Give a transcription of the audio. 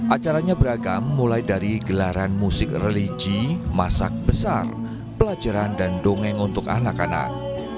acaranya beragam mulai dari gelaran musik religi masak besar pelajaran dan dongeng untuk anak anak